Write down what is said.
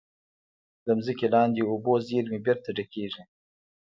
د ځمکې لاندې اوبو زیرمې بېرته ډکېږي.